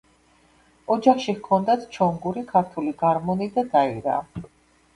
ოჯახში ჰქონდათ ჩონგური, ქართული გარმონი და დაირა.